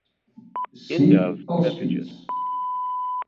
Sí, als pits.